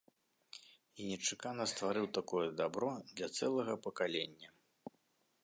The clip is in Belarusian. І нечакана стварыў такое дабро для цэлага пакалення.